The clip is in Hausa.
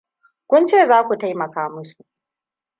Kun ce zaku taimaka musu.